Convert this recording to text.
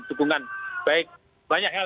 dukungan baik banyak hal